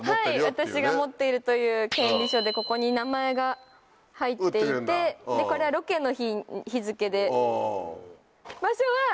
私が持っているという権利書でここに名前が入っていてこれはロケの日付で。